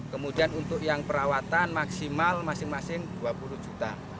kemudian untuk yang perawatan maksimal masing masing dua puluh juta